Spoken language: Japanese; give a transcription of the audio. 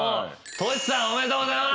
としさんおめでとうございます！